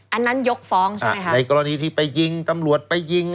อันนั้นยกฟ้องใช่ไหมคะในกรณีที่ไปยิงตำรวจไปยิง